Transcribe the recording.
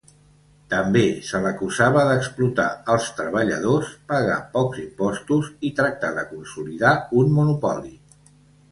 També se l'acusava d'explotar els treballadors, pagar pocs impostos i tractar de consolidar un monopoli.